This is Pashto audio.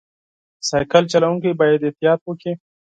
بایسکل چلوونکي باید احتیاط وکړي.